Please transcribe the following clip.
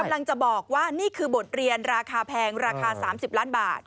กำลังจะบอกว่านี่คือบทเรียนราคาแพงราคา๓๐ล้านบาท